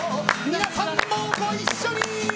皆さんもご一緒に！